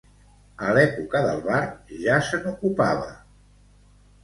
A l'època del bar ja se n'ocupava.